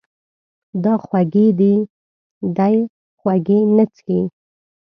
دا خوږې دي، دی خوږې نه څښي.